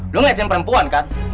lu ngecin perempuan kan